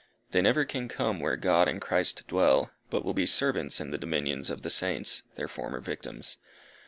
They never can come where God and Christ dwell, but will be servants in the dominions of the Saints, their former victims.